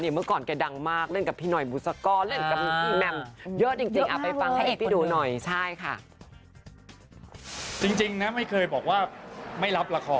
เมื่อก่อนแกดังมากเล่นกับพี่หน่อยบุษก้อ